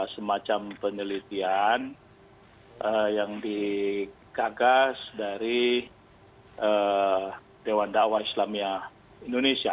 semacam penelitian yang dikagas dari dewan da'wah islamnya indonesia